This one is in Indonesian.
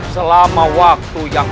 selama waktu yang